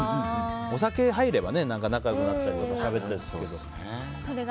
お酒入ればね仲良くなったりとかしゃべれたりするけど。